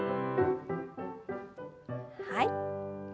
はい。